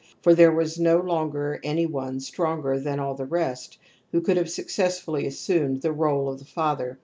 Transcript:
For there was no longer any one stronger than all the rest who could have successfully assimied the r61e of the father.